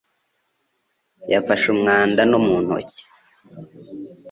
yafashe umwanda no mu ntoki